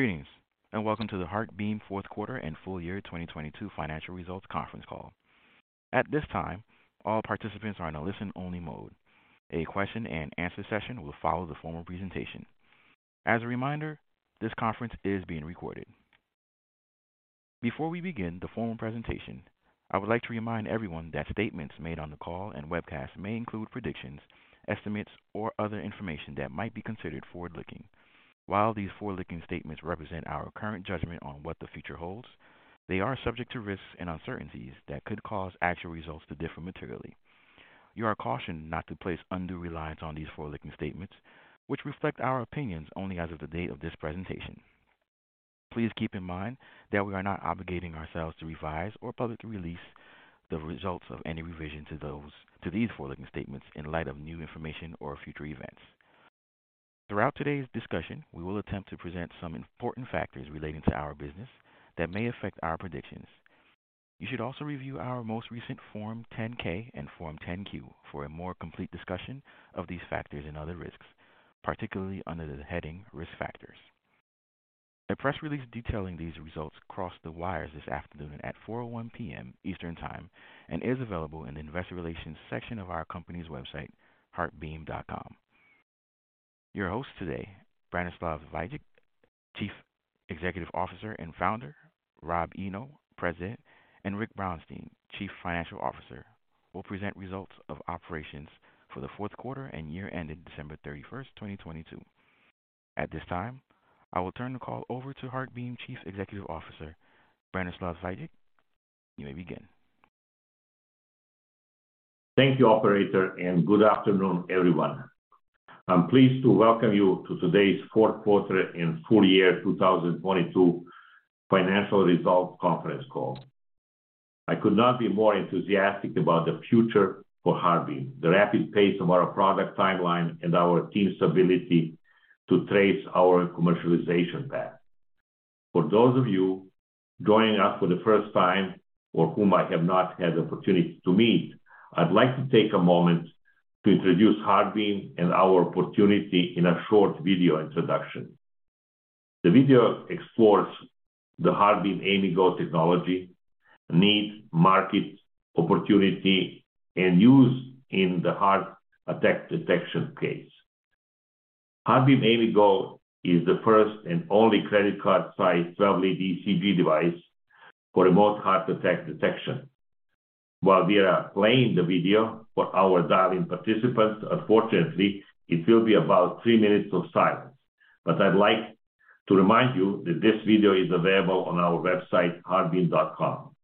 Greetings, and welcome to the HeartBeam Fourth Quarter and Full Year 2022 Financial Results Conference Call. At this time, all participants are in a listen-only mode. A question and answer session will follow the formal presentation. As a reminder, this conference is being recorded. Before we begin the formal presentation, I would like to remind everyone that statements made on the call and webcast may include predictions, estimates, or other information that might be considered forward-looking. While these forward-looking statements represent our current judgment on what the future holds, they are subject to risks and uncertainties that could cause actual results to differ materially. You are cautioned not to place undue reliance on these forward-looking statements, which reflect our opinions only as of the date of this presentation. Please keep in mind that we are not obligating ourselves to revise or publicly release the results of any revision to those, to these forward-looking statements in light of new information or future events. Throughout today's discussion, we will attempt to present some important factors relating to our business that may affect our predictions. You should also review our most recent Form 10-K and Form 10-Q for a more complete discussion of these factors and other risks, particularly under the heading Risk Factors. A press release detailing these results crossed the wires this afternoon at 4:01 P.M. Eastern Time and is available in the investor relations section of our company's website, heartbeam.com. Your hosts today, Branislav Vajdic, Chief Executive Officer and Founder, Rob Eno, President, and Rick Brounstein, Chief Financial Officer, will present results of operations for the fourth quarter and year ending December 31st, 2022. At this time, I will turn the call over to HeartBeam Chief Executive Officer, Branislav Vajdic. You may begin. Thank you, operator, and good afternoon, everyone. I'm pleased to welcome you to today's Fourth Quarter and Full Year 2022 Financial Results Conference Call. I could not be more enthusiastic about the future for HeartBeam, the rapid pace of our product timeline, and our team's ability to trace our commercialization path. For those of you joining us for the first time or whom I have not had the opportunity to meet, I'd like to take a moment to introduce HeartBeam and our opportunity in a short video introduction. The video explores the HeartBeam AIMIGo technology, need, market opportunity, and use in the heart attack detection case. HeartBeam AIMIGo is the first and only credit card-sized 12-lead ECG device for remote heart attack detection. While we are playing the video for our dialing participants, unfortunately, it will be about 3 minutes of silence. I'd like to remind you that this video is available on our website, heartbeam.com. It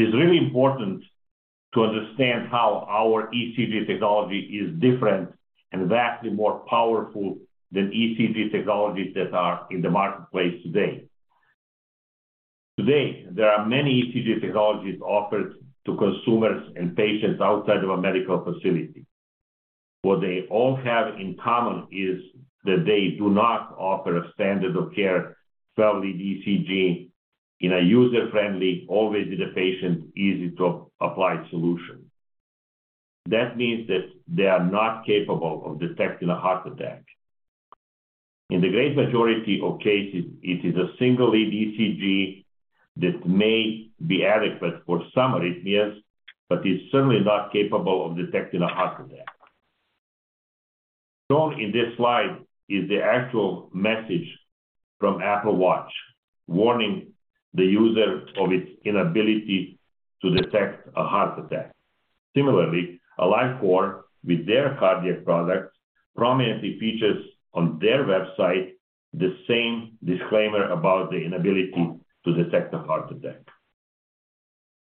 is really important to understand how our ECG technology is different and vastly more powerful than ECG technologies that are in the marketplace today. Today, there are many ECG technologies offered to consumers and patients outside of a medical facility. What they all have in common is that they do not offer a standard of care 12-lead ECG in a user-friendly, always with the patient, easy to apply solution. That means that they are not capable of detecting a heart attack. In the great majority of cases, it is a single-lead ECG that may be adequate for some arrhythmias, but is certainly not capable of detecting a heart attack. Shown in this slide is the actual message from Apple Watch warning the user of its inability to detect a heart attack. Similarly, AliveCor, with their cardiac products, prominently features on their website the same disclaimer about the inability to detect a heart attack.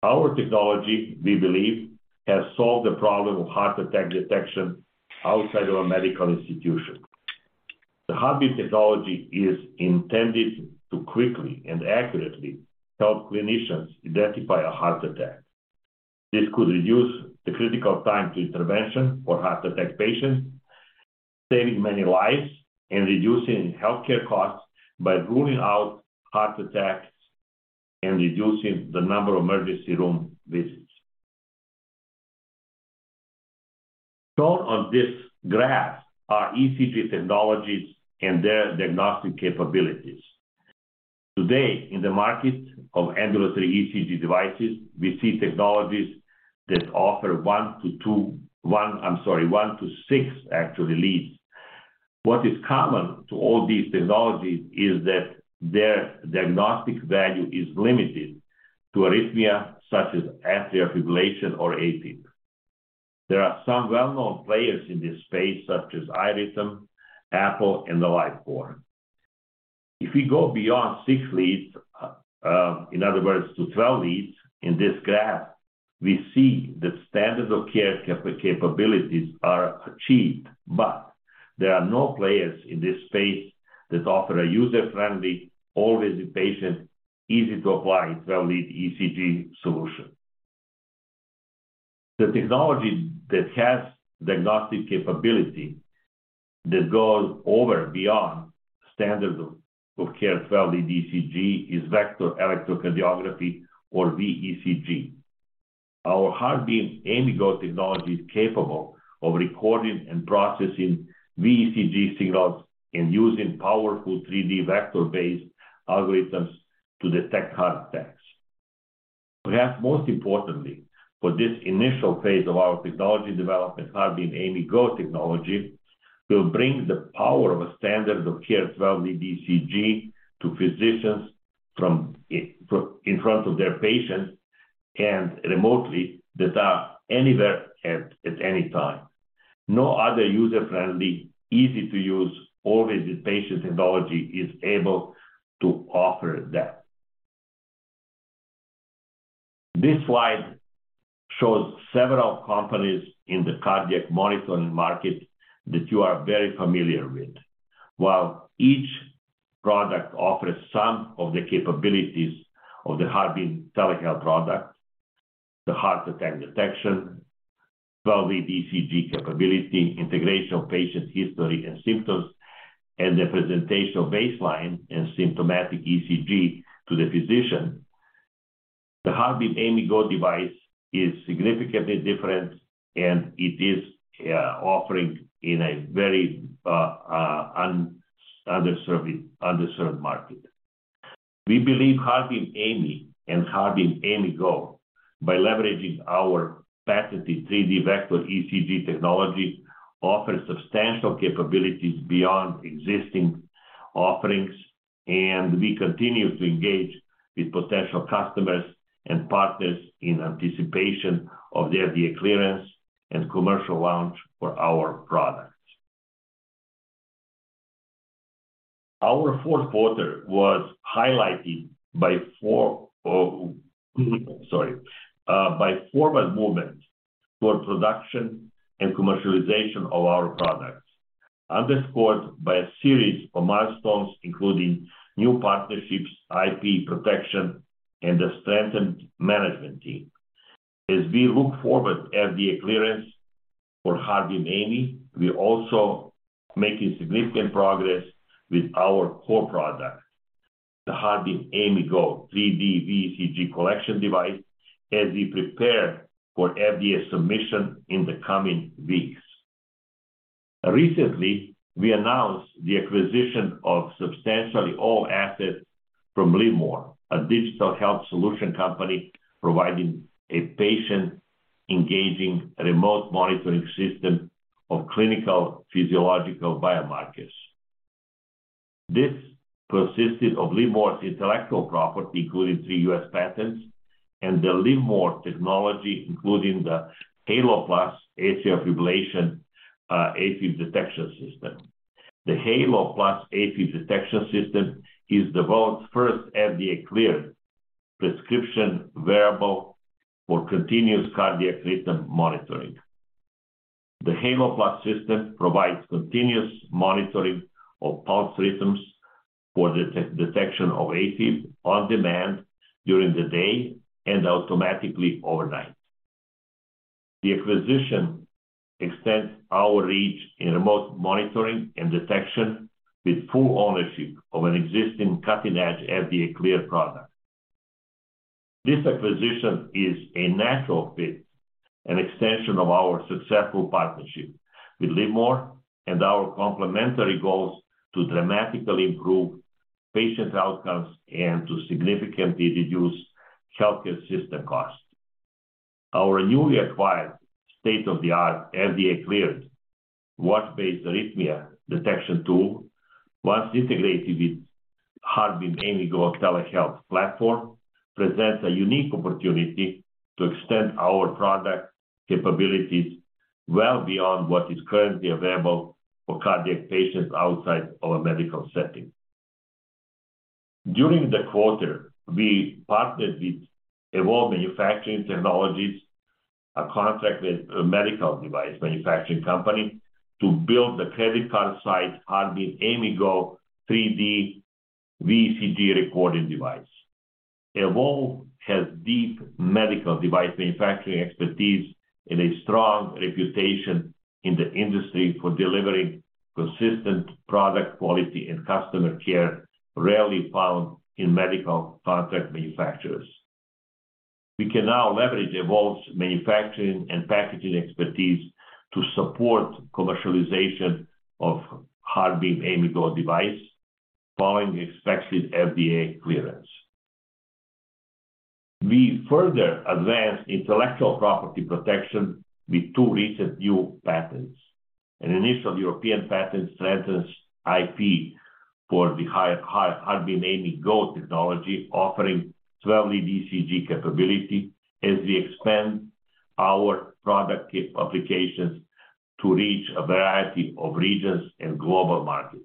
Our technology, we believe, has solved the problem of heart attack detection outside of a medical institution. The HeartBeam technology is intended to quickly and accurately help clinicians identify a heart attack. This could reduce the critical time to intervention for heart attack patients, saving many lives and reducing healthcare costs by ruling out heart attacks and reducing the number of emergency room visits. Shown on this graph are ECG technologies and their diagnostic capabilities. Today, in the market of ambulatory ECG devices, we see technologies that offer, I'm sorry, 1-6 actual leads. What is common to all these technologies is that their diagnostic value is limited to arrhythmia such as atrial fibrillation or AFib. There are some well-known players in this space, such as iRhythm, Apple, and AliveCor. If we go beyond 6 leads, in other words, to 12 leads in this graph, we see that standard of care capabilities are achieved, but there are no players in this space that offer a user-friendly, always with patient, easy-to-apply 12-lead ECG solution. The technology that has diagnostic capability that goes over and beyond standard of care 12-lead ECG is vector electrocardiography or VECG. Our HeartBeam AIMIGo technology is capable of recording and processing VECG signals and using powerful 3D vector-based algorithms to detect heart attacks. Perhaps most importantly, for this initial phase of our technology development, HeartBeam AIMIGo technology will bring the power of a standard of care 12-lead ECG to physicians from in front of their patients and remotely that are anywhere at any time. No other user-friendly, easy-to-use, always with patient technology is able to offer that. This slide shows several companies in the cardiac monitoring market that you are very familiar with. While each product offers some of the capabilities of the HeartBeam telehealth product, the heart attack detection, 12-lead ECG capability, integration of patient history and symptoms, and the presentation of baseline and symptomatic ECG to the physician. The HeartBeam AIMIGo device is significantly different, and it is offering in a very underserved market. We believe HeartBeam AIMI and HeartBeam AIMIGo, by leveraging our patented 3D vector ECG technology, offer substantial capabilities beyond existing offerings, and we continue to engage with potential customers and partners in anticipation of the FDA clearance and commercial launch for our products. Our fourth quarter was highlighted by or sorry, by forward movement toward production and commercialization of our products, underscored by a series of milestones, including new partnerships, IP protection, and a strengthened management team. As we look forward FDA clearance for HeartBeam AIMI, we're also making significant progress with our core product, the HeartBeam AIMIGo 3D VECG collection device, as we prepare for FDA submission in the coming weeks. Recently, we announced the acquisition of substantially all assets from LIVMOR, a digital health solution company providing a patient-engaging remote monitoring system of clinical physiological biomarkers. This consisted of LIVMOR's intellectual property, including 3 U.S. patents and the LIVMOR technology, including the Halo+ atrial fibrillation, AFib detection system. The Halo+ AFib detection system is the world's first FDA-cleared prescription wearable for continuous cardiac rhythm monitoring. The Halo+ system provides continuous monitoring of pulse rhythms for detection of AFib on demand during the day and automatically overnight. The acquisition extends our reach in remote monitoring and detection with full ownership of an existing cutting-edge FDA-cleared product. This acquisition is a natural fit and extension of our successful partnership with LIVMOR and our complementary goals to dramatically improve patient outcomes and to significantly reduce healthcare system costs. Our newly acquired state-of-the-art FDA-cleared watch-based arrhythmia detection tool, once integrated with HeartBeam AIMIGo telehealth platform, presents a unique opportunity to extend our product capabilities well beyond what is currently available for cardiac patients outside of a medical setting. During the quarter, we partnered with Evolve Manufacturing Technologies, a contract with a medical device manufacturing company, to build the credit card site HeartBeam AIMIGo 3D VCG recording device. Evolve has deep medical device manufacturing expertise and a strong reputation in the industry for delivering consistent product quality and customer care rarely found in medical contract manufacturers. We can now leverage Evolve's manufacturing and packaging expertise to support commercialization of HeartBeam AIMIGo device following expected FDA clearance. We further advanced intellectual property protection with two recent new patents. An initial European patent strengthens IP for the HeartBeam AIMIGo technology offering 12-lead ECG capability as we expand our product applications to reach a variety of regions and global markets.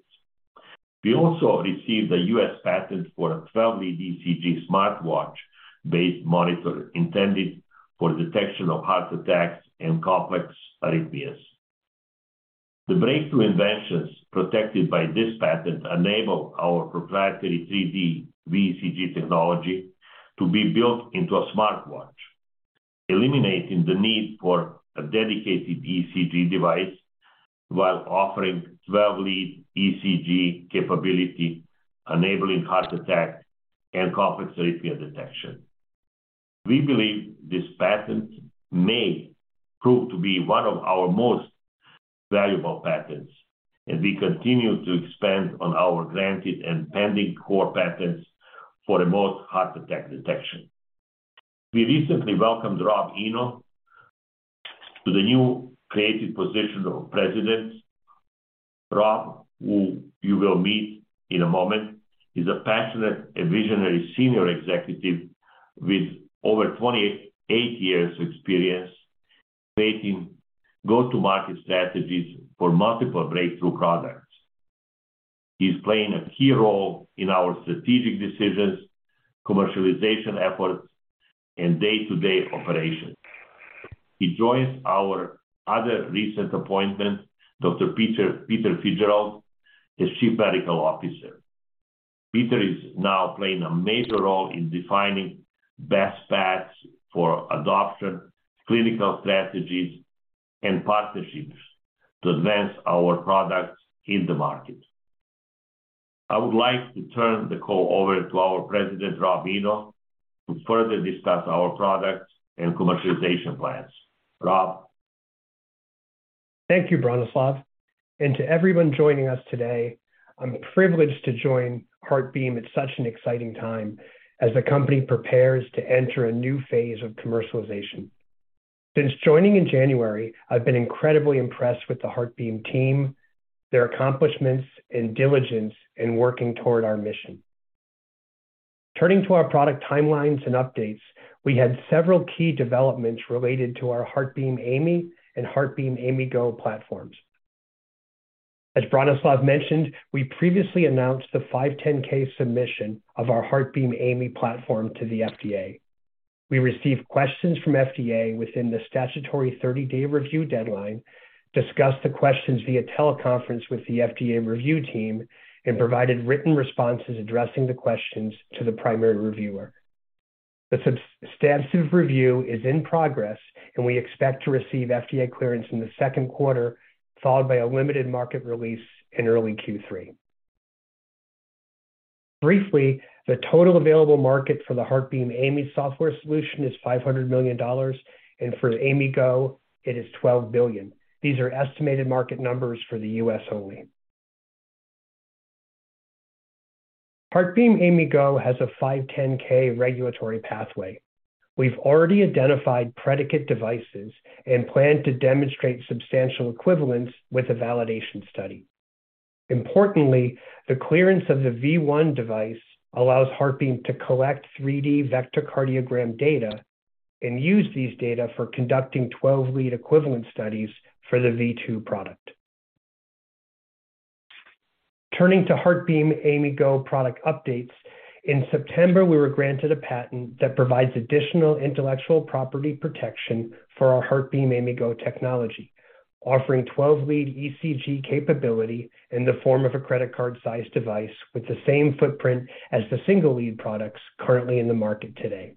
We also received a U.S. patent for a 12-lead ECG smartwatch-based monitor intended for detection of heart attacks and complex arrhythmias. The breakthrough inventions protected by this patent enable our proprietary 3D VECG technology to be built into a smartwatch, eliminating the need for a dedicated ECG device while offering 12-lead ECG capability, enabling heart attack and complex arrhythmia detection. We believe this patent may prove to be one of our most valuable patents as we continue to expand on our granted and pending core patents for remote heart attack detection. We recently welcomed Rob Eno to the new created position of President. Rob, who you will meet in a moment, is a passionate and visionary senior executive with over 28 years experience creating go-to-market strategies for multiple breakthrough products. He's playing a key role in our strategic decisions, commercialization efforts, and day-to-day operations. He joins our other recent appointment, Dr. Peter Fitzgerald, as Chief Medical Officer. Peter is now playing a major role in defining best paths for adoption, clinical strategies, and partnerships to advance our products in the market. I would like to turn the call over to our President, Rob Eno, to further discuss our products and commercialization plans. Rob. Thank you, Branislav. To everyone joining us today, I'm privileged to join HeartBeam at such an exciting time as the company prepares to enter a new phase of commercialization. Since joining in January, I've been incredibly impressed with the HeartBeam team, their accomplishments and diligence in working toward our mission. Turning to our product timelines and updates, we had several key developments related to our HeartBeam AIMI and HeartBeam AIMIGo platforms. As Branislav mentioned, we previously announced the 510K submission of our HeartBeam AIMI platform to the FDA. We received questions from FDA within the statutory 30-day review deadline, discussed the questions via teleconference with the FDA review team, and provided written responses addressing the questions to the primary reviewer. The substantive review is in progress, and we expect to receive FDA clearance in the second quarter, followed by a limited market release in early Q3. Briefly, the total available market for the HeartBeam AIMI software solution is $500 million, and for HeartBeam AIMIGo it is $12 billion. These are estimated market numbers for the U.S. only. HeartBeam AIMIGo has a 510K regulatory pathway. We've already identified predicate devices and plan to demonstrate substantial equivalence with a validation study. Importantly, the clearance of the V1 device allows HeartBeam to collect 3D vector cardiogram data. Use these data for conducting 12-lead equivalent studies for the V2 product. Turning to HeartBeam AIMIGo product updates, in September, we were granted a patent that provides additional intellectual property protection for our HeartBeam AIMIGo technology, offering 12-lead ECG capability in the form of a credit card-sized device with the same footprint as the single lead products currently in the market today.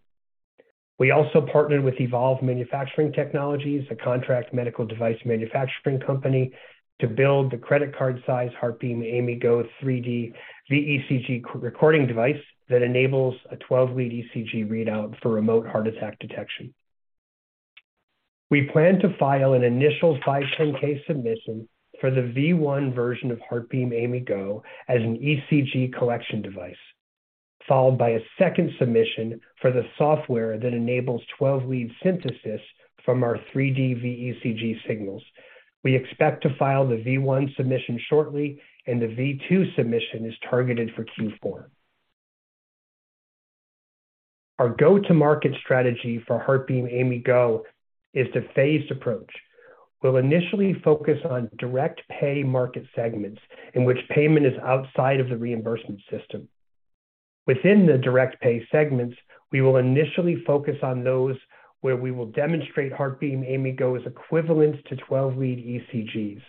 We also partnered with Evolve Manufacturing Technologies, a contract medical device manufacturing company, to build the credit card-sized HeartBeam AIMIGo 3D VECG recording device that enables a 12-lead ECG readout for remote heart attack detection. We plan to file an initial 510K submission for the V1 version of HeartBeam AIMIGo as an ECG collection device, followed by a second submission for the software that enables 12-lead synthesis from our 3D VECG signals. We expect to file the V1 submission shortly and the V2 submission is targeted for Q4. Our go-to-market strategy for HeartBeam AIMIGo is the phased approach. We'll initially focus on direct pay market segments in which payment is outside of the reimbursement system. Within the direct pay segments, we will initially focus on those where we will demonstrate HeartBeam AIMIGo is equivalent to 12-lead ECGs.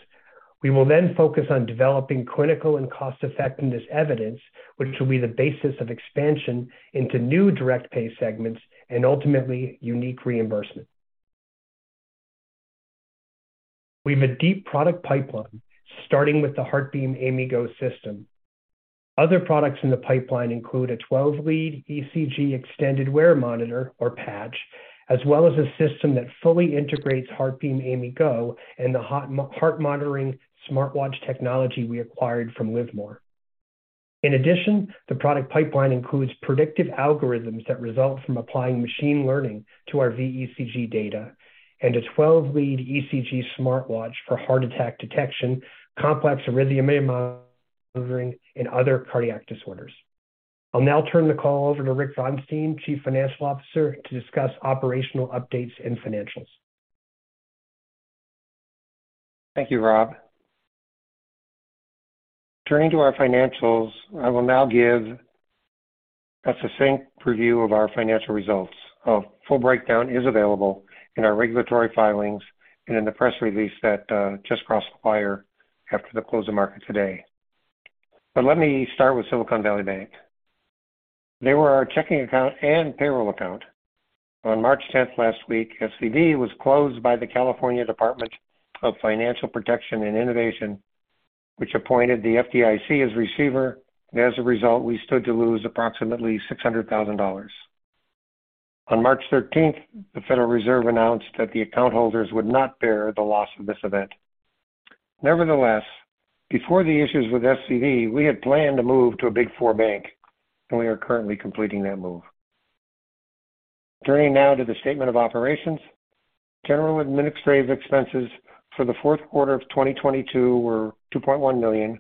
We will then focus on developing clinical and cost-effectiveness evidence which will be the basis of expansion into new direct pay segments and ultimately unique reimbursement. We have a deep product pipeline starting with the HeartBeam AIMIGo system. Other products in the pipeline include a 12-lead ECG extended wear monitor or patch, as well as a system that fully integrates HeartBeam AIMIGo and the heart monitoring smartwatch technology we acquired from LIVMOR. In addition, the product pipeline includes predictive algorithms that result from applying machine learning to our VECG data and a 12-lead ECG smartwatch for heart attack detection, complex arrhythmia monitoring, and other cardiac disorders. I'll now turn the call over to Rick Brounstein, Chief Financial Officer, to discuss operational updates and financials. Thank you, Rob. Turning to our financials, I will now give a succinct preview of our financial results. A full breakdown is available in our regulatory filings and in the press release that just crossed the wire after the close of market today. Let me start with Silicon Valley Bank. They were our checking account and payroll account. On March 10 last week, SVB was closed by the California Department of Financial Protection and Innovation, which appointed the FDIC as receiver, and as a result, we stood to lose approximately $600,000. On March 13, the Federal Reserve announced that the account holders would not bear the loss of this event. Nevertheless, before the issues with SVB, we had planned to move to a big four bank, and we are currently completing that move. Turning now to the statement of operations. General Administrative expenses for the fourth quarter of 2022 were $2.1 million,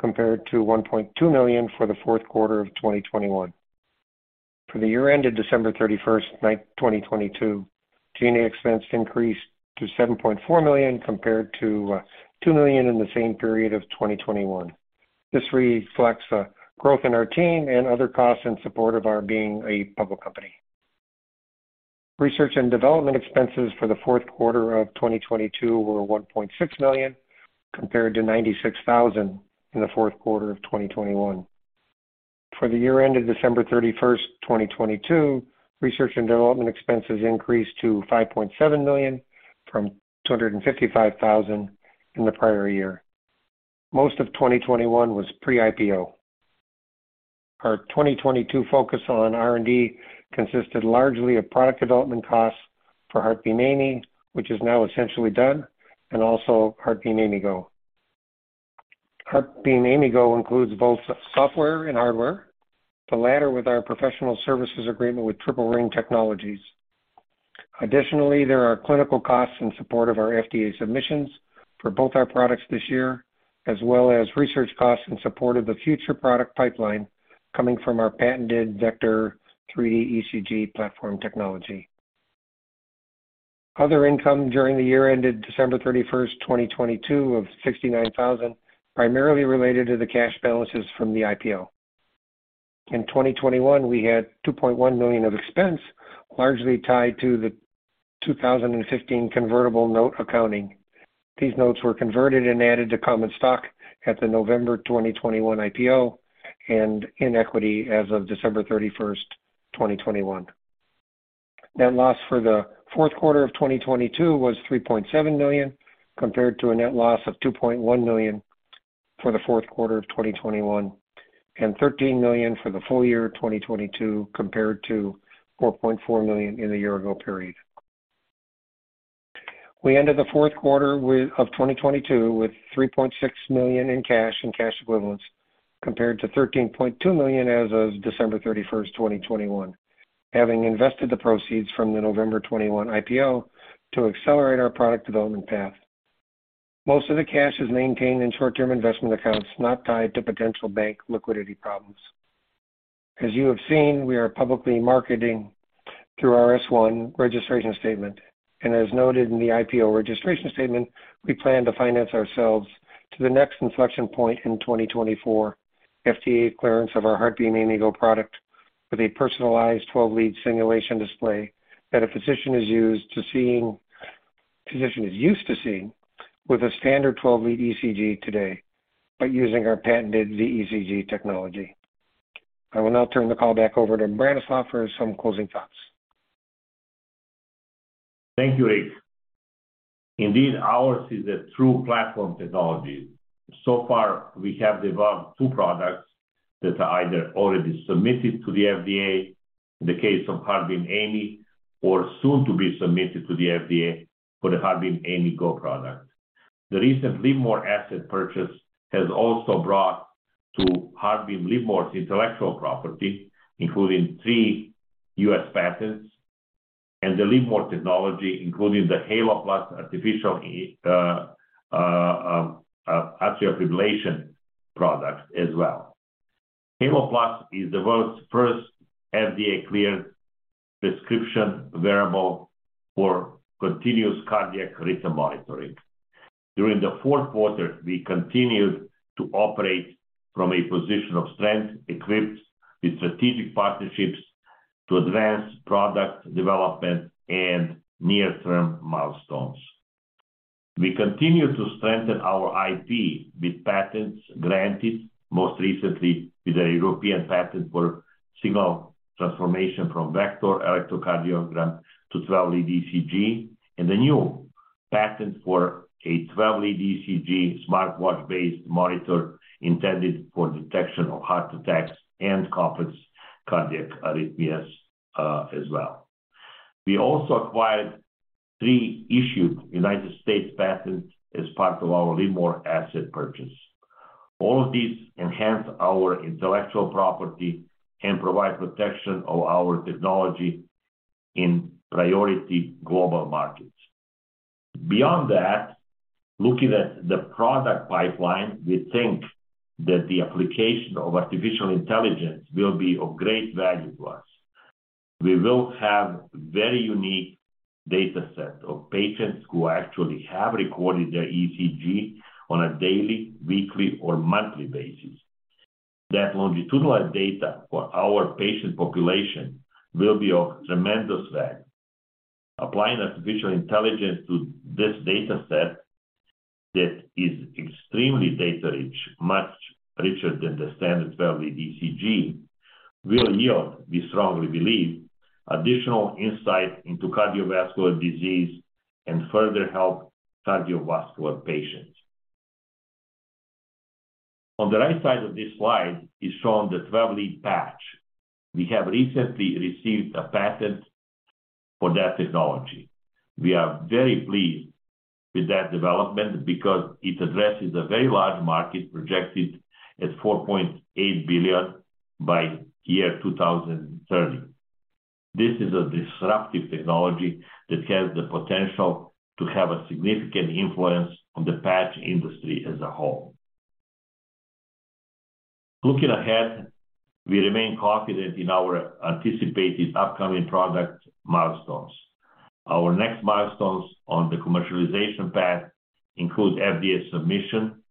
compared to $1.2 million for the fourth quarter of 2021. For the year ended December 31st, 2022, GA expense increased to $7.4 million compared to $2 million in the same period of 2021. This reflects growth in our team and other costs in support of our being a public company. Research and Development expenses for the fourth quarter of 2022 were $1.6 million, compared to $96,000 in the fourth quarter of 2021. For the year ended December 31st, 2022, Research and Development expenses increased to $5.7 million from $255,000 in the prior year. Most of 2021 was pre-IPO. Our 2022 focus on R&D consisted largely of product development costs for HeartBeam AIMI, which is now essentially done, and also HeartBeam AIMIGo. HeartBeam AIMIGo includes both software and hardware, the latter with our professional services agreement with Triple Ring Technologies. Additionally, there are clinical costs in support of our FDA submissions for both our products this year, as well as research costs in support of the future product pipeline coming from our patented vector 3D ECG platform technology. Other income during the year ended December 31, 2022 of $69,000 primarily related to the cash balances from the IPO. In 2021, we had $2.1 million of expense, largely tied to the 2015 convertible note accounting. These notes were converted and added to common stock at the November 2021 IPO and in equity as of December 31, 2021. Net loss for the fourth quarter of 2022 was $3.7 million, compared to a net loss of $2.1 million for the fourth quarter of 2021, and $13 million for the full year 2022 compared to $4.4 million in the year-ago period. We ended the fourth quarter of 2022 with $3.6 million in cash and cash equivalents, compared to $13.2 million as of December 31, 2021, having invested the proceeds from the November 2021 IPO to accelerate our product development path. Most of the cash is maintained in short-term investment accounts not tied to potential bank liquidity problems. As you have seen, we are publicly marketing through our S-1 registration statement. As noted in the IPO registration statement, we plan to finance ourselves to the next inflection point in 2024, FDA clearance of our HeartBeam AIMIGo product with a personalized 12-lead simulation display that a physician is used to seeing with a standard 12-lead ECG today, but using our patented VECG technology. I will now turn the call back over to Branislav for some closing thoughts. Thank you, Rick. So far, ours is a true platform technology. We have developed two products that are either already submitted to the FDA, in the case of HeartBeam AIMI or soon to be submitted to the FDA for the HeartBeam AIMIGo product. The recent LIVMOR asset purchase has also brought to HeartBeam LIVMOR's intellectual property, including three U.S. patents and the LIVMOR technology, including the Halo + atrial fibrillation product as well. Halo + is the world's first FDA-cleared prescription wearable for continuous cardiac rhythm monitoring. During the fourth quarter, we continued to operate from a position of strength, equipped with strategic partnerships to advance product development and near-term milestones. We continue to strengthen our IP with patents granted, most recently with a European patent for signal transformation from vector electrocardiogram to 12-lead ECG, and a new patent for a 12-lead ECG smartwatch-based monitor intended for detection of heart attacks and complex cardiac arrhythmias, as well. We also acquired three issued United States patents as part of our LIVMOR asset purchase. All of these enhance our intellectual property and provide protection of our technology in priority global markets. Beyond that, looking at the product pipeline, we think that the application of artificial intelligence will be of great value to us. We will have very unique data set of patients who actually have recorded their ECG on a daily, weekly, or monthly basis. That longitudinal data for our patient population will be of tremendous value. Applying artificial intelligence to this data set that is extremely data-rich, much richer than the standard 12-lead ECG, will yield, we strongly believe, additional insight into cardiovascular disease and further help cardiovascular patients. On the right side of this slide is shown the 12-lead patch. We have recently received a patent for that technology. We are very pleased with that development because it addresses a very large market projected at $4.8 billion by 2030. This is a disruptive technology that has the potential to have a significant influence on the patch industry as a whole. Looking ahead, we remain confident in our anticipated upcoming product milestones. Our next milestones on the commercialization path include FDA submission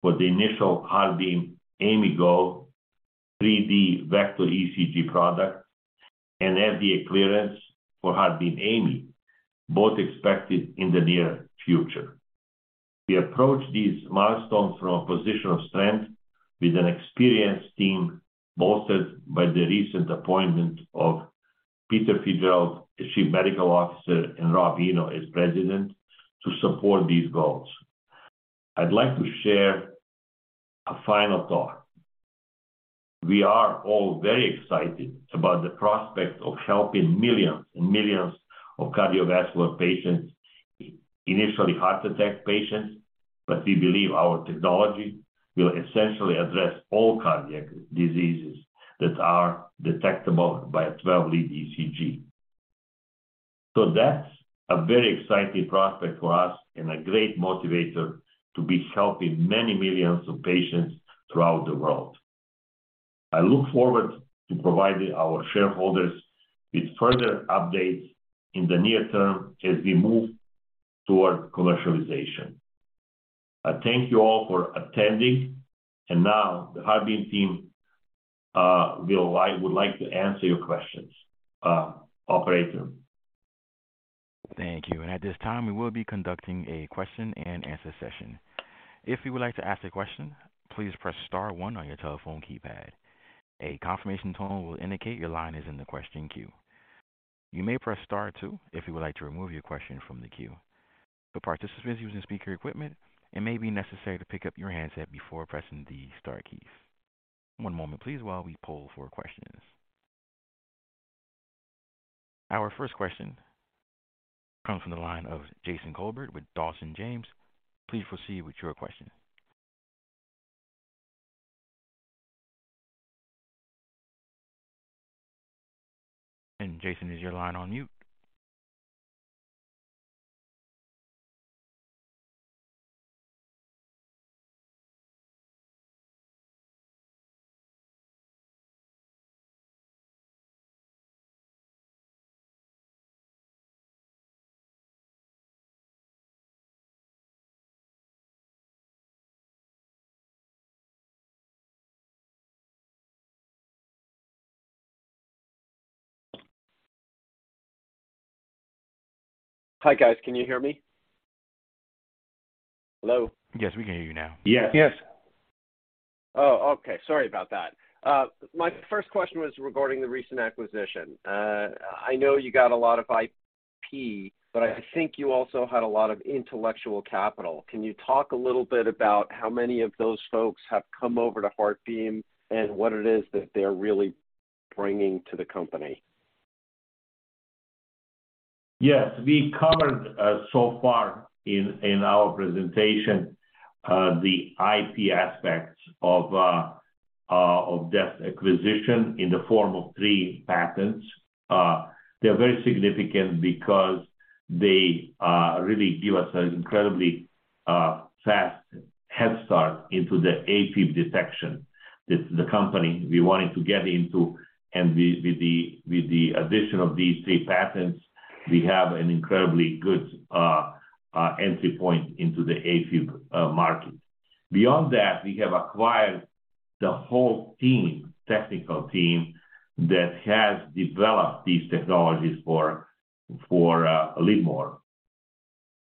for the initial HeartBeam AIMIGo 3D VECG product and FDA clearance for HeartBeam AIMI, both expected in the near future. We approach these milestones from a position of strength with an experienced team, bolstered by the recent appointment of Peter Fitzgerald as Chief Medical Officer and Rob Eno as President to support these goals. I'd like to share a final thought. We are all very excited about the prospect of helping millions and millions of cardiovascular patients, initially heart attack patients, but we believe our technology will essentially address all cardiac diseases that are detectable by a 12-lead ECG. That's a very exciting prospect for us and a great motivator to be helping many millions of patients throughout the world. I look forward to providing our shareholders with further updates in the near term as we move toward commercialization. Now the HeartBeam team would like to answer your questions. Operator. Thank you. At this time, we will be conducting a question and answer session. If you would like to ask a question, please press star one on your telephone keypad. A confirmation tone will indicate your line is in the question queue. You may press star two if you would like to remove your question from the queue. For participants using speaker equipment, it may be necessary to pick up your handset before pressing the star keys. One moment please while we poll for questions. Our first question comes from the line of Jason Kolbert with Dawson-James. Please proceed with your question. Jason, is your line on mute? Hi, guys. Can you hear me? Hello? Yes, we can hear you now. Yes. Yes. Oh, okay. Sorry about that. My first question was regarding the recent acquisition. I know you got a lot of IP, but I think you also had a lot of intellectual capital. Can you talk a little bit about how many of those folks have come over to HeartBeam and what it is that they're really bringing to the company? Yes. We covered, so far in our presentation, the IP aspects of that acquisition in the form of 3 patents. They're very significant because they really give us an incredibly fast head start into the AFib detection. This is the company we're wanting to get into. With the addition of these 3 patents, we have an incredibly good entry point into the AFib market. Beyond that, we have acquired the whole team, technical team, that has developed these technologies for LIVMOR.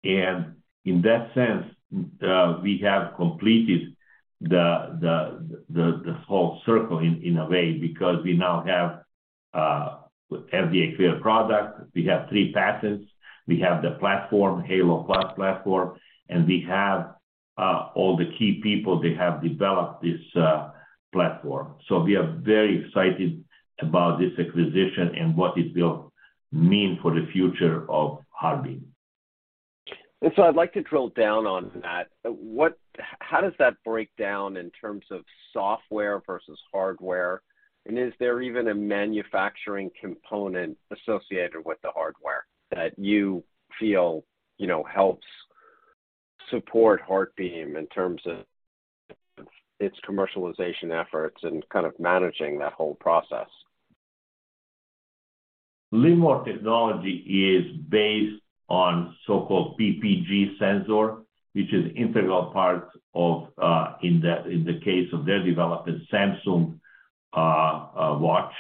In that sense, we have completed the whole circle in a way, because we now have FDA-cleared product. We have 3 patents. We have the platform, Halo+ platform, and we have all the key people that have developed this platform. We are very excited about this acquisition and what it will mean for the future of HeartBeam. I'd like to drill down on that. How does that break down in terms of software versus hardware? Is there even a manufacturing component associated with the hardware that you feel, you know, helps support HeartBeam in terms of its commercialization efforts and kind of managing that whole process? LIVMOR technology is based on so-called PPG sensor, which is integral part of, in the case of their development, Samsung watch.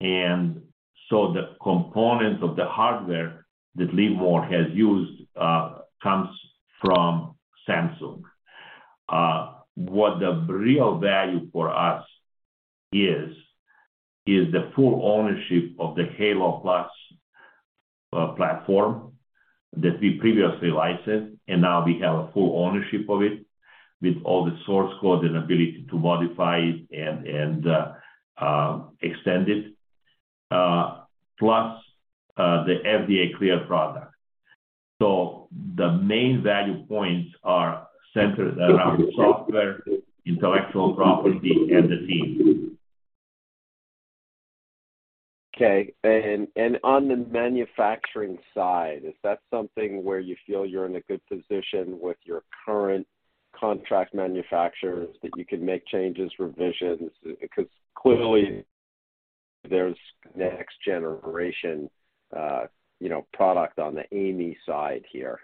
The component of the hardware that LIVMOR has used, comes from Samsung. What the real value for us is the full ownership of the Halo+ platform that we previously licensed, and now we have a full ownership of it with all the source code and ability to modify it and extend it, plus the FDA-cleared product. The main value points are centered around software, intellectual property, and the team. Okay. On the manufacturing side, is that something where you feel you're in a good position with your current contract manufacturers that you can make changes, revisions? Clearly there's next-generation, you know, product on the AIMI side here.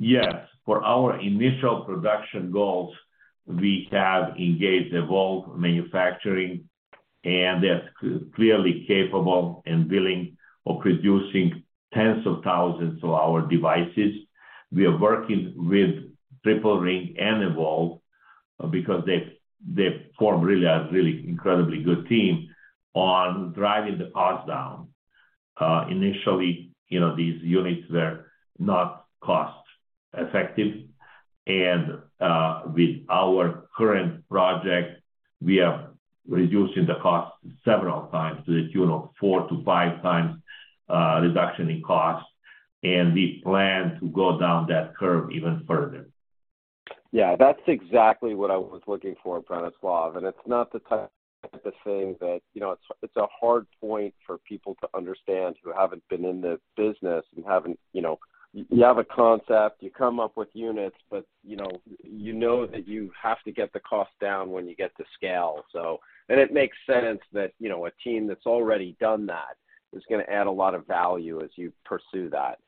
Yes. For our initial production goals, we have engaged Evolve Manufacturing, and they're clearly capable and willing of producing tens of thousands of our devices. We are working with Triple Ring and Evolve because they form really a really incredibly good team on driving the costs down. Initially, you know, these units were not cost-effective. With our current project, we are reducing the cost several times, you know, four to five times, reduction in cost, and we plan to go down that curve even further. Yeah, that's exactly what I was looking for, Branislav. It's not the type of thing that, you know, it's a hard point for people to understand who haven't been in the business and haven't, you know. You have a concept, you come up with units, but, you know, you know that you have to get the cost down when you get to scale, so. It makes sense that, you know, a team that's already done that is gonna add a lot of value as you pursue that.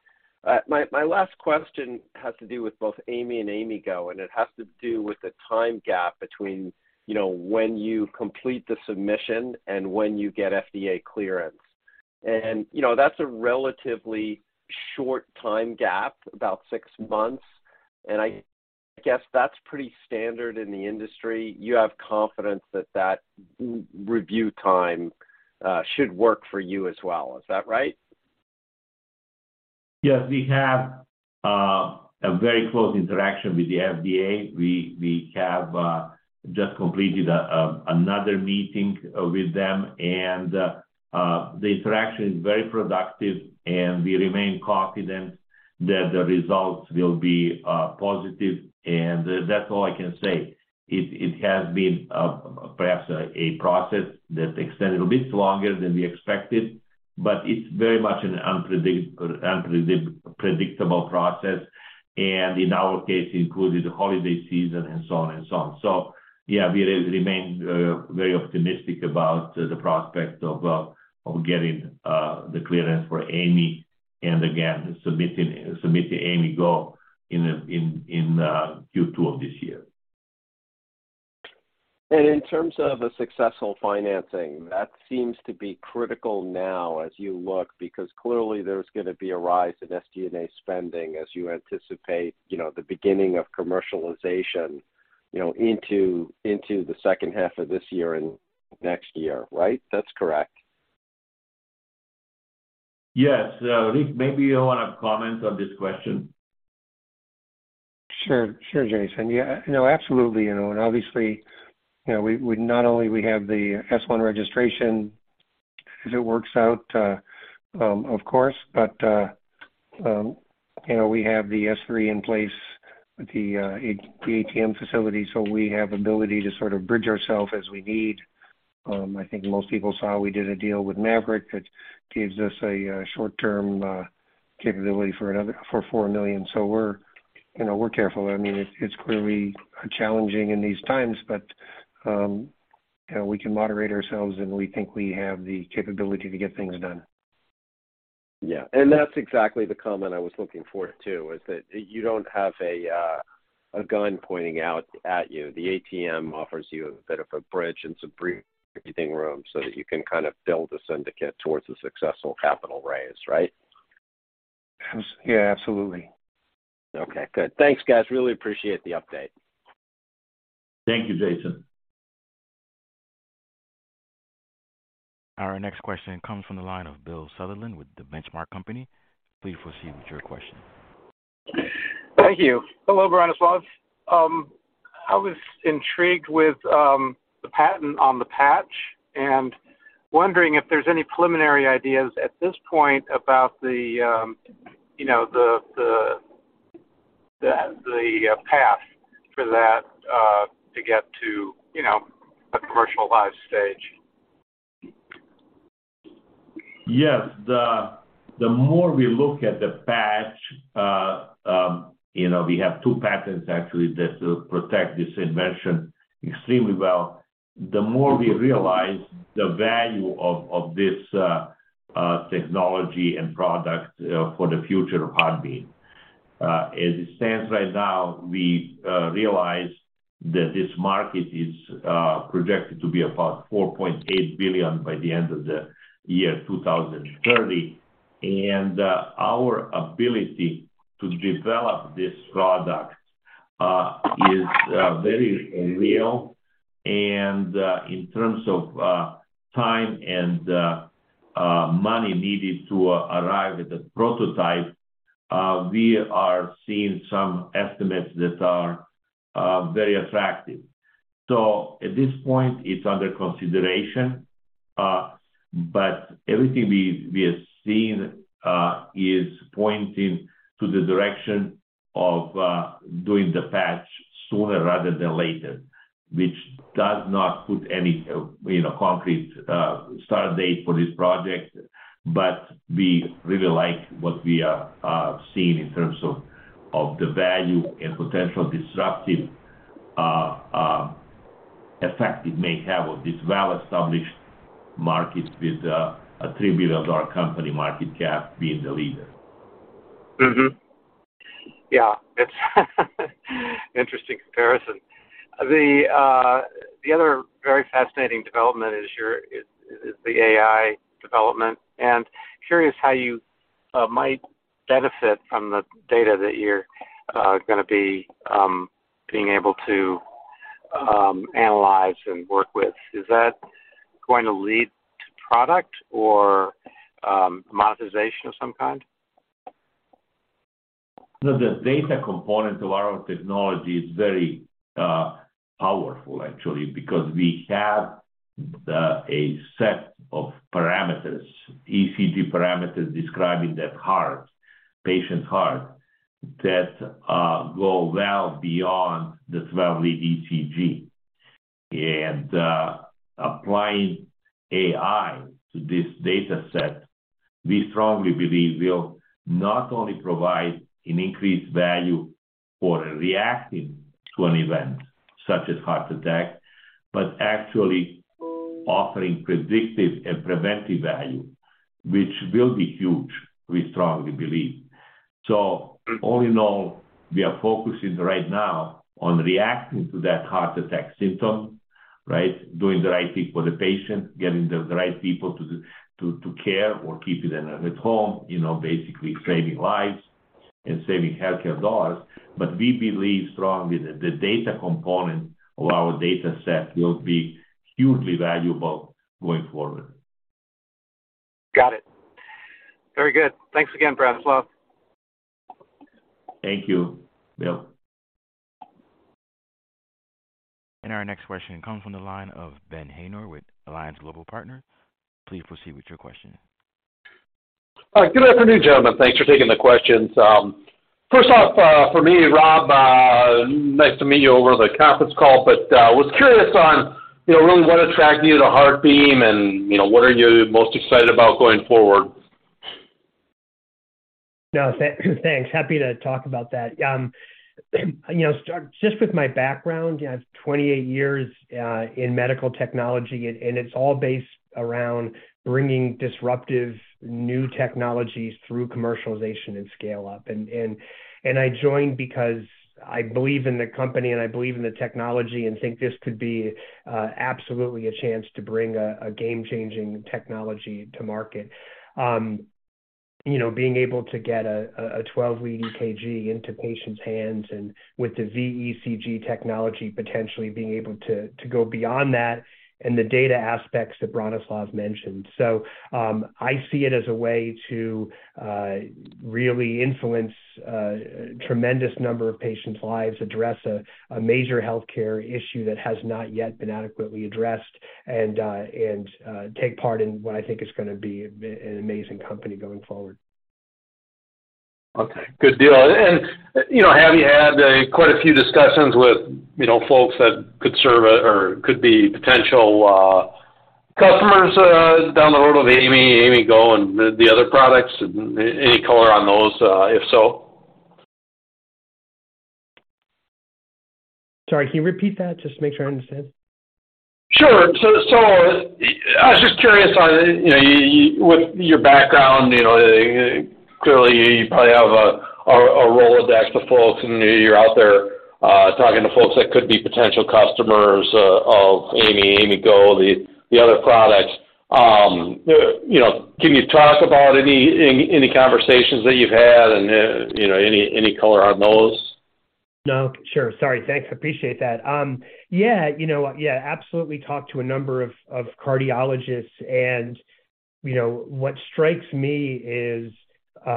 My last question has to do with both AIMI and AIMIGo, and it has to do with the time gap between, you know, when you complete the submission and when you get FDA clearance. That's a relatively short time gap, about six months. I guess that's pretty standard in the industry. You have confidence that that review time should work for you as well. Is that right? Yes. We have a very close interaction with the FDA. We have just completed another meeting with them. The interaction is very productive, and we remain confident that the results will be positive, and that's all I can say. It has been perhaps a process that extended a bit longer than we expected, but it's very much an unpredictable process, and in our case, included the holiday season and so on and so on. Yeah, we remain very optimistic about the prospects of getting the clearance for AIMI. Again, submitting AIMIGo in Q2 of this year. In terms of a successful financing, that seems to be critical now as you look, because clearly there's gonna be a rise in SG&A spending as you anticipate, you know, the beginning of commercialization, you know, into the 2nd half of this year and next year. Right? That's correct. Yes. Rick, maybe you wanna comment on this question? Sure. Sure, Jason. Yeah, no, absolutely, you know. Obviously, you know, we not only have the S-1 registration as it works out, of course, but, you know, we have the S-3 in place with the ATM facility, so we have ability to sort of bridge ourself as we need. I think most people saw we did a deal with Maverick that gives us a short-term capability for $4 million. So we're, you know, we're careful. I mean, it's clearly challenging in these times, but, you know, we can moderate ourselves, and we think we have the capability to get things done. Yeah. That's exactly the comment I was looking for, too, is that you don't have a gun pointing out at you. The ATM offers you a bit of a bridge and some breathing room so that you can kind of build a syndicate towards a successful capital raise, right? Yes. Yeah, absolutely. Okay, good. Thanks, guys. Really appreciate the update. Thank you, Jason. Our next question comes from the line of Bill Sutherland with The Benchmark Company. Please proceed with your question. Thank you. Hello, Branislav. I was intrigued with the patent on the patch and wondering if there's any preliminary ideas at this point about the, you know, the path for that, to get to, you know, a commercialized stage. Yes. The more we look at the patch, you know, we have two patents actually that protect this invention extremely well. The more we realize the value of this technology and product for the future of HeartBeam. As it stands right now, we realize that this market is projected to be about $4.8 billion by the end of the year 2030. Our ability to develop this product is very real. In terms of time and money needed to arrive at the prototype, we are seeing some estimates that are very attractive. At this point, it's under consideration, but everything we have seen is pointing to the direction of doing the patch sooner rather than later, which does not put any, you know, concrete start date for this project. We really like what we are seeing in terms of the value and potential disruptive effect it may have on this well-established market with a $3 billion company market cap being the leader. Mm-hmm. Yeah, that's interesting comparison. The other very fascinating development is the AI development, and curious how you might benefit from the data that you're gonna be being able to analyze and work with. Is that going to lead to product or monetization of some kind? No, the data component of our technology is very powerful actually, because we have a set of parameters, ECG parameters describing that heart, patient's heart, that go well beyond the 12-lead ECG. Applying AI to this data set, we strongly believe will not only provide an increased value for reacting to an event such as heart attack, but actually offering predictive and preventive value, which will be huge, we strongly believe. All in all, we are focusing right now on reacting to that heart attack symptom, right? Doing the right thing for the patient, getting the right people to care or keeping them at home, you know, basically saving lives and saving healthcare dollars. We believe strongly that the data component of our data set will be hugely valuable going forward. Got it. Very good. Thanks again, Branislav. Thank you, Bill. Our next question comes from the line of Ben Haynor with Alliance Global Partners. Please proceed with your question. All right. Good afternoon, gentlemen. Thanks for taking the questions. First off, for me, Rob, nice to meet you over the conference call. Was curious on, you know, really what attracted you to HeartBeam and, you know, what are you most excited about going forward? No. Thanks. Happy to talk about that. You know, start just with my background. I have 28 years in medical technology, and it's all based around bringing disruptive new technologies through commercialization and scale-up. I joined because I believe in the company and I believe in the technology and think this could be absolutely a chance to bring a game-changing technology to market. You know, being able to get a 12-lead EKG into patients' hands and with the VECG technology potentially being able to go beyond that and the data aspects that Branislav mentioned. I see it as a way to really influence tremendous number of patients' lives, address a major healthcare issue that has not yet been adequately addressed, and take part in what I think is gonna be an amazing company going forward. Okay. Good deal. You know, have you had quite a few discussions with, you know, folks that could serve or could be potential customers down the road with AIMIGo and the other products? Any color on those, if so? Sorry, can you repeat that just to make sure I understand? Sure. I was just curious on, you know, with your background, you know, clearly you probably have a Rolodex of folks, and you're out there, talking to folks that could be potential customers of AIMIGo, the other products. You know, can you talk about any conversations that you've had and, you know, any color on those? No. Sure. Sorry. Thanks. Appreciate that. You know what? Absolutely talk to a number of cardiologists. You know, what strikes me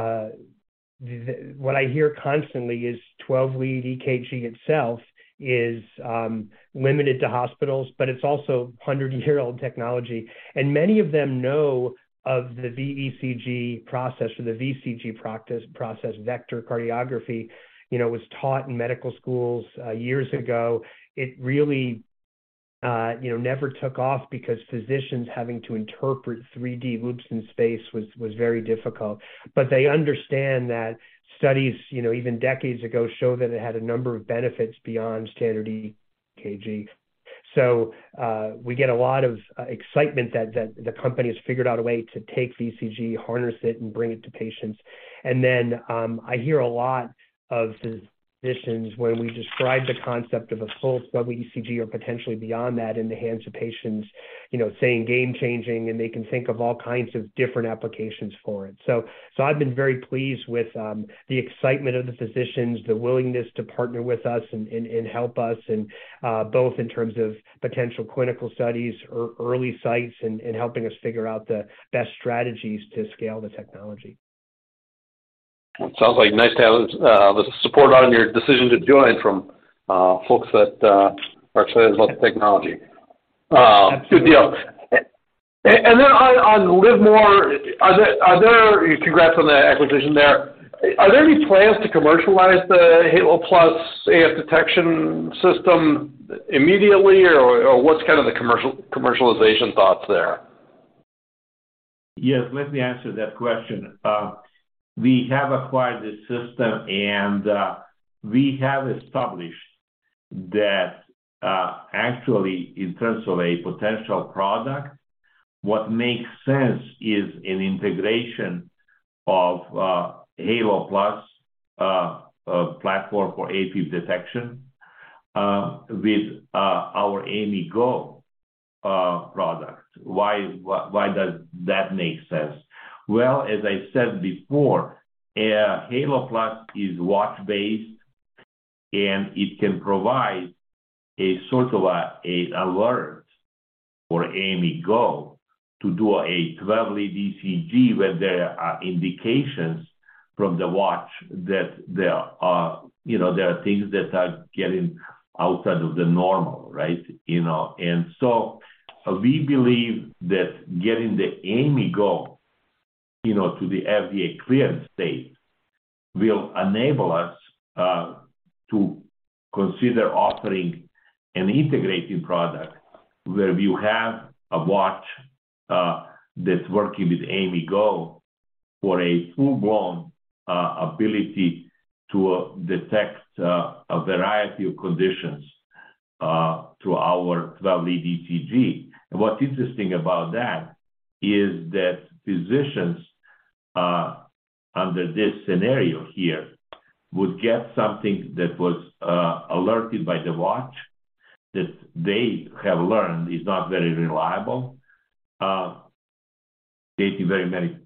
is what I hear constantly is 12-lead EKG itself is limited to hospitals, but it's also 100-year-old technology. Many of them know of the VECG process or the VCG process, vector cardiography. You know, it was taught in medical schools years ago. It really, you know, never took off because physicians having to interpret 3D loops in space was very difficult. They understand that studies, you know, even decades ago, show that it had a number of benefits beyond standard EKG. We get a lot of excitement that the company has figured out a way to take VECG, harness it, and bring it to patients. I hear a lot of physicians where we describe the concept of a full 12-lead ECG or potentially beyond that in the hands of patients, you know, saying game-changing, and they can think of all kinds of different applications for it. I've been very pleased with the excitement of the physicians, the willingness to partner with us and help us and both in terms of potential clinical studies or early sites and helping us figure out the best strategies to scale the technology. It sounds like nice to have the support on your decision to join from folks that are excited about the technology. Good deal. On LIVMOR, Congrats on the acquisition there. Are there any plans to commercialize the Halo+ AFib detection system immediately, or what's kind of the commercialization thoughts there? Yes. Let me answer that question. We have acquired the system, and we have established that, actually in terms of a potential product, what makes sense is an integration of Halo+ platform for AFib detection, with our AIMIGo product. Why does that make sense? Well, as I said before, Halo+ is watch-based, and it can provide a sort of a alert for AIMIGo to do a 12-lead ECG where there are indications from the watch that there are, you know, there are things that are getting outside of the normal, right? You know. We believe that getting the HeartBeam AIMIGo, you know, to the FDA clearance state will enable us to consider offering an integrated product where you have a watch that's working with HeartBeam AIMIGo for a full-blown ability to detect a variety of conditions to our 12-lead ECG. What's interesting about that is that physicians, under this scenario here, would get something that was alerted by the watch that they have learned is not very reliable, getting very many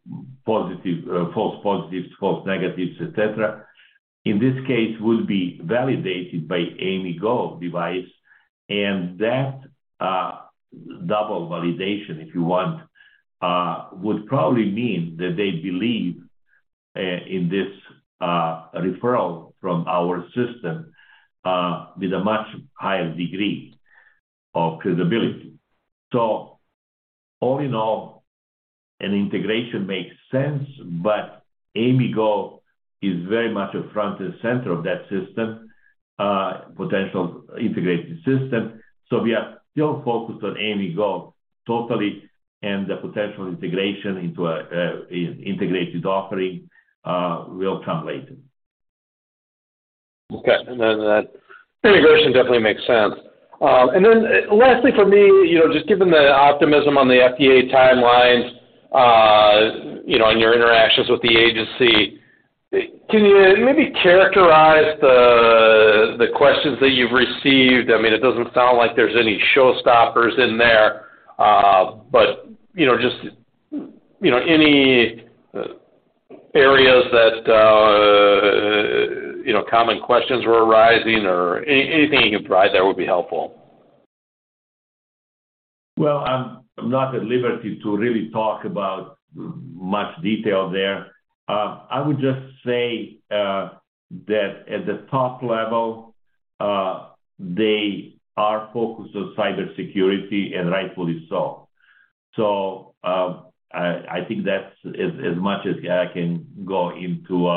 positive, false positives, false negatives, et cetera. In this case, would be validated by HeartBeam AIMIGo device, and that double validation, if you want, would probably mean that they believe in this referral from our system with a much higher degree of credibility. All in all, an integration makes sense, but AIMIGo is very much a front and center of that system, potential integrated system. We are still focused on AIMIGo totally, and the potential integration into a integrated offering, will come later. Okay. That integration definitely makes sense. Lastly for me, you know, just given the optimism on the FDA timelines, you know, and your interactions with the agency, can you maybe characterize the questions that you've received? I mean, it doesn't sound like there's any showstoppers in there, but, you know, just, you know, any areas that, you know, common questions were arising or anything you can provide that would be helpful. Well, I'm not at liberty to really talk about much detail there. I would just say that at the top level, they are focused on cybersecurity, and rightfully so. I think that's as much as I can go into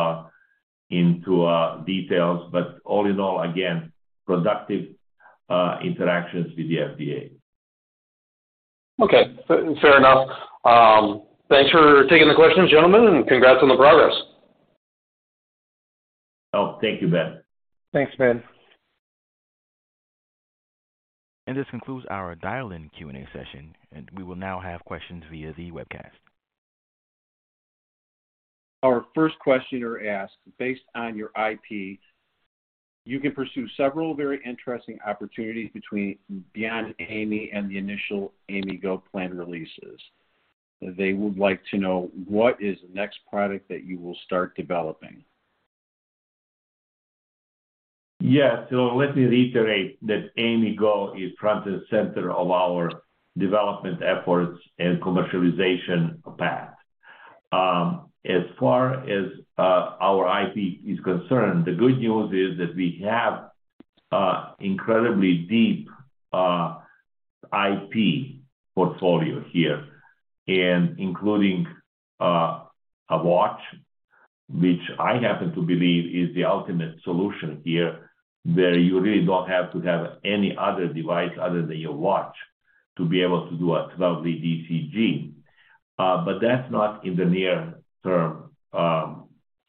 details. All in all, again, productive interactions with the FDA. Okay. Fair enough. Thanks for taking the questions, gentlemen. Congrats on the progress. Oh, thank you, Ben. Thanks, Ben. This concludes our dial-in Q&A session, and we will now have questions via the webcast. Our first questioner asks, "Based on your IP, you can pursue several very interesting opportunities between beyond AIMI and the initial AIMIGo plan releases." They would like to know, what is the next product that you will start developing? Let me reiterate that HeartBeam AIMIGo is front and center of our development efforts and commercialization path. As far as our IP is concerned, the good news is that we have a incredibly deep IP portfolio here, and including a watch, which I happen to believe is the ultimate solution here, where you really don't have to have any other device other than your watch to be able to do a 12-lead ECG. That's not in the near-term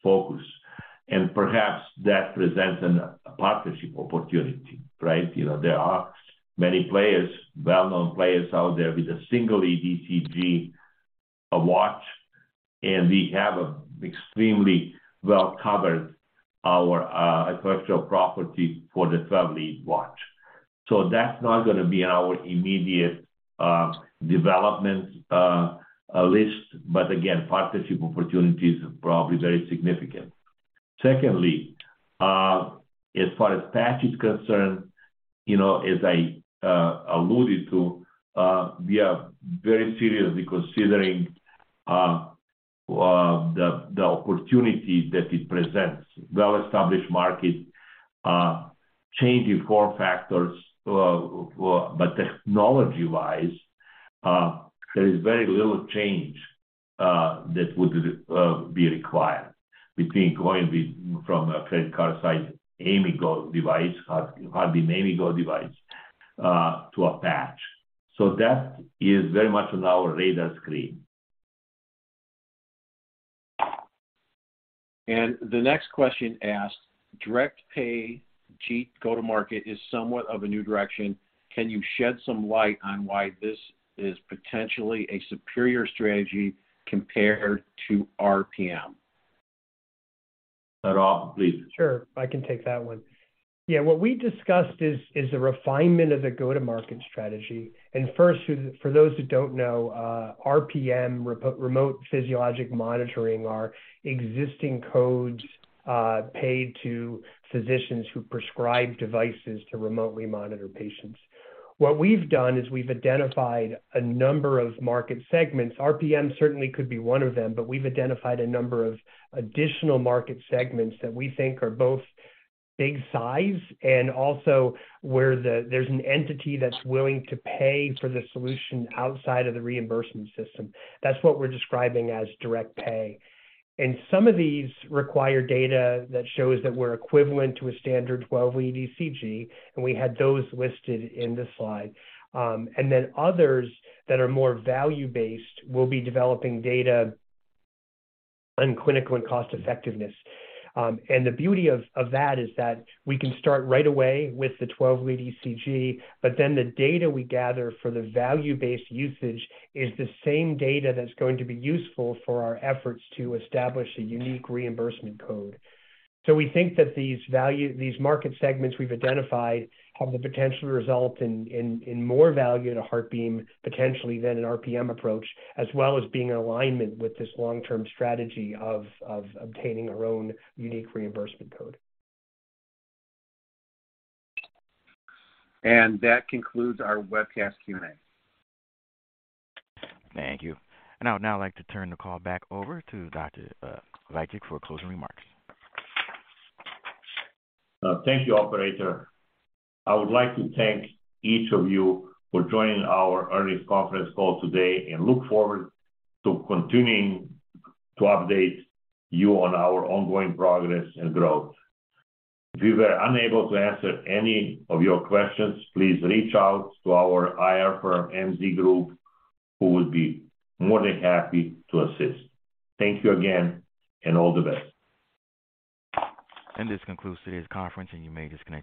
focus, and perhaps that presents a partnership opportunity, right? You know, there are many players, well-known players out there with a single-lead ECG watch, and we have extremely well-covered our intellectual property for the 12-lead watch. That's not gonna be on our immediate development list, but again, partnership opportunity is probably very significant. Secondly, as far as patch is concerned, you know, as I alluded to, we are very seriously considering the opportunity that it presents. Well-established market, changing core factors, but technology-wise, there is very little change that would be required from a credit card-sized HeartBeam AIMIGo device, hardly HeartBeam AIMIGo device, to a patch. That is very much on our radar screen. The next question asks, "Direct pay cheap go-to-market is somewhat of a new direction. Can you shed some light on why this is potentially a superior strategy compared to RPM? Rob, please. Sure. I can take that one. What we discussed is a refinement of the go-to-market strategy. First, for those who don't know, RPM, remote physiologic monitoring are existing codes, paid to physicians who prescribe devices to remotely monitor patients. What we've done is we've identified a number of market segments. RPM certainly could be one of them, but we've identified a number of additional market segments that we think are both big size and also where there's an entity that's willing to pay for the solution outside of the reimbursement system. That's what we're describing as direct pay. Some of these require data that shows that we're equivalent to a standard 12-lead ECG, and we had those listed in the slide. Then others that are more value-based will be developing data on clinical and cost effectiveness. The beauty of that is that we can start right away with the 12-lead ECG, but then the data we gather for the value-based usage is the same data that's going to be useful for our efforts to establish a unique reimbursement code. We think that these value, these market segments we've identified have the potential to result in more value to HeartBeam, potentially than an RPM approach, as well as being in alignment with this long-term strategy of obtaining our own unique reimbursement code. That concludes our webcast Q&A. Thank you. I would now like to turn the call back over to Dr. Vajdic for closing remarks. Thank you, operator. I would like to thank each of you for joining our earnings conference call today and look forward to continuing to update you on our ongoing progress and growth. If we were unable to answer any of your questions, please reach out to our IR firm, MZ Group, who would be more than happy to assist. Thank you again, and all the best. This concludes today's conference, and you may disconnect your lines.